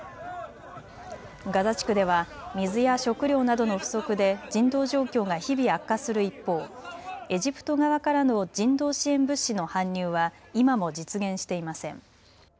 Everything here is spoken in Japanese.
ガザ地区では水や食料などの不足で人道状況が日々悪化する一方、エジプト側からの人道支援物資の搬入は今も実現していません。